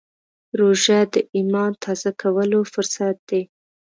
روژه د ایمان تازه کولو فرصت دی.